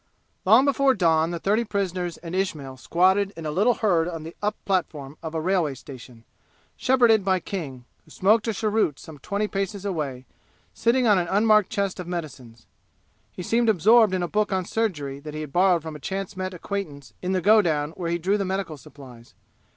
Long before dawn the thirty prisoners and Ismail squatted in a little herd on the up platform of a railway station, shepherded by King, who smoked a cheroot some twenty paces away, sitting on an unmarked chest of medicines. He seemed absorbed in a book on surgery that he had borrowed from a chance met acquaintance in the go down where he drew the medical supplies.